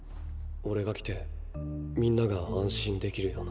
俺が来て皆が安心できるような。